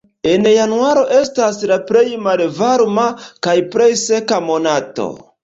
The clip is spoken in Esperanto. En januaro estas la plej malvarma kaj plej seka monato.